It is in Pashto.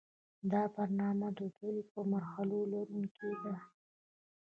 دا برنامه د دوو مرحلو لرونکې ده.